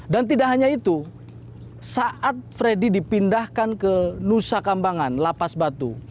dan tidak hanya itu saat freddy dipindahkan ke nusa kambangan lapas batu